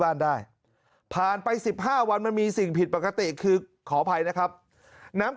บ้านได้ผ่านไป๑๕วันมันมีสิ่งผิดปกติคือขออภัยนะครับน้ำ